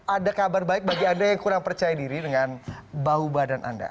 ada kabar baik bagi anda yang kurang percaya diri dengan bahu badan anda